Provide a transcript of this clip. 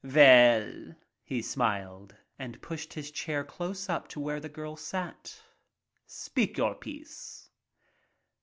a $7 _ a a Veil," he smiled, and pushed his chair close up to where the girl sat. "Speak your piece."